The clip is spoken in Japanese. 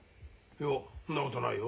いやそんなことないよ。